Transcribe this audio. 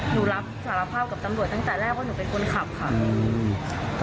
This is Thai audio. หนูรับสารภาพกับตำรวจตั้งแต่แรกว่าหนูเป็นคนขับค่ะ